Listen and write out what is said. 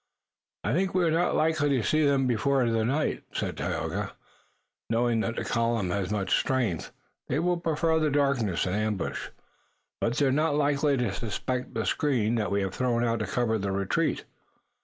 "I think we are not likely to see them before the night," said Tayoga. "Knowing that the column has much strength, they will prefer the darkness and ambush." "But they're not likely to suspect the screen that we have thrown out to cover the retreat."